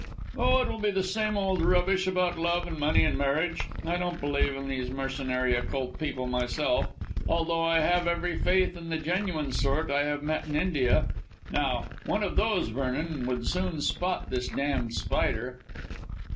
"Oh, it will be the same old rubbish about love and money and marriage. I don't believe in these mercenary occult people myself, although I have every faith in the genuine sort I have met with in India. Now, one of those, Vernon, would soon spot this damned Spider."